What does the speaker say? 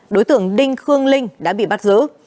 đối tượng đinh khương liên đã bị bắt giữ